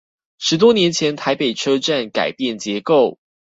十多年前台北車站改變結構